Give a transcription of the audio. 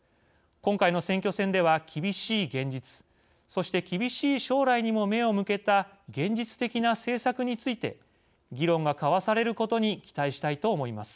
今回の選挙戦では厳しい現実そして厳しい将来にも目を向けた現実的な政策について議論が交わされることに期待したいと思います。